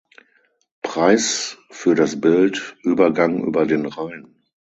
Preis für das Bild "Übergang über den Rhein".